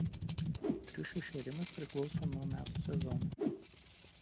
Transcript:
Triušių šėrimas priklauso nuo metų sezono.